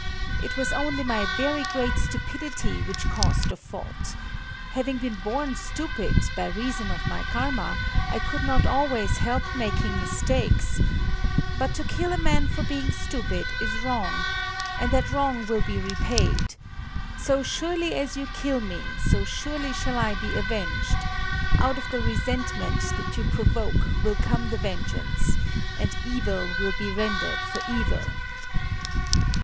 It was only my very great stupidity which caused the fault. Having been born stupid, by reason of my Karma, I could not always help making mistakes. But to kill a man for being stupid is wrong,—and that wrong will be repaid. So surely as you kill me, so surely shall I be avenged;—out of the resentment that you provoke will come the vengeance; and evil will be rendered for evil."...